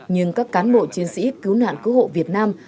nhưng các cán bộ chiến sĩ cứu nạn cứu hộ việt nam